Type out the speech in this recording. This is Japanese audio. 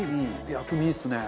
薬味いいっすね。